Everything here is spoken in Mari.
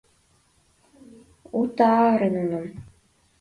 Ута-аре нуным!